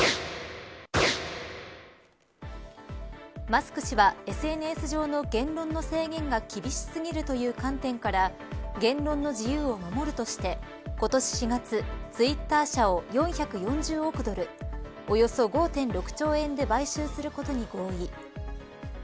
マスク氏はＳＮＳ上の言論の制限が厳しすぎるという観点から言論の自由を守るとして今年４月、ツイッター社を４４０億ドルおよそ５．６兆円で買収することに合意。